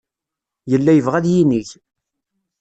Yella yebɣa ad yinig.